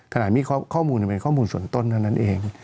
ขณะนี้ข้อมูลเป็นข้อมูลส่วนต้นเท่านั้นเอง